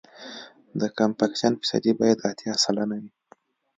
د کمپکشن فیصدي باید اتیا سلنه وي